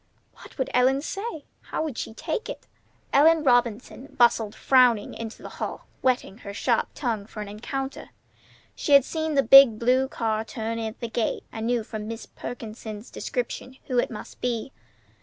What would Ellen say? How would she take it? Ellen Robinson bustled frowning into the hall, whetting her sharp tongue for an encounter. She had seen the big blue car turn in at the gate, and knew from Mrs. Perkins's description who it must be.